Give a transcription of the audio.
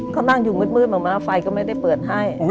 ก็นั่งอยู่มืดมาแล้วไฟก็ไม่ได้เปิดให้